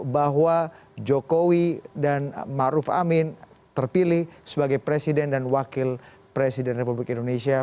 bahwa jokowi dan maruf amin terpilih sebagai presiden dan wakil presiden republik indonesia